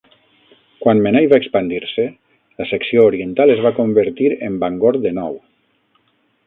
Quan Menai va expandir-se, la secció oriental es va convertir en Bangor de nou.